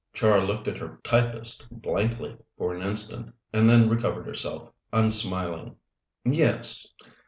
Char looked at her typist blankly for an instant, and then recovered herself, unsmiling. "Yes.